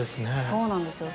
そうなんですよ